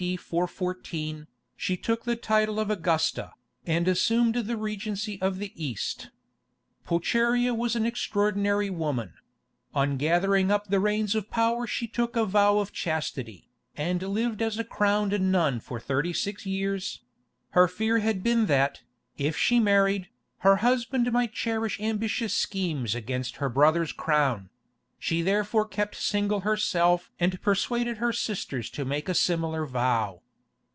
D. 414, she took the title of Augusta, and assumed the regency of the East. Pulcheria was an extraordinary woman: on gathering up the reins of power she took a vow of chastity, and lived as a crowned nun for thirty six years; her fear had been that, if she married, her husband might cherish ambitious schemes against her brother's crown; she therefore kept single herself and persuaded her sisters to make a similar vow.